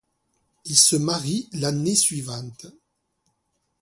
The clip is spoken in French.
Ils se marient l'année suivante.